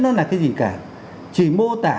nó là cái gì cả chỉ mô tả